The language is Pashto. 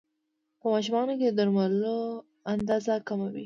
په ماشومانو کې د درملو اندازه کمه وي.